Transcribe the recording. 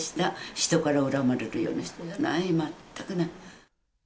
人から恨まれるような人じゃない、全くない。